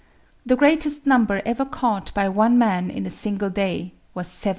The greatest number ever caught by one man in a single day was 70.)